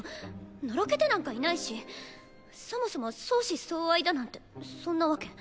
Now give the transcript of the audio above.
のろけてなんかいないしそもそも相思相愛だなんてそんなわけ。